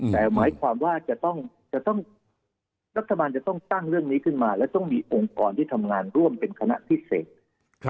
แต่หมายความว่าจะต้องรัฐบาลจะต้องตั้งเรื่องนี้ขึ้นมาและต้องมีองค์กรที่ทำงานร่วมเป็นคณะพิเศษ